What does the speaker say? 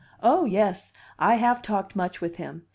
"Oh, yes! I have talked much with him.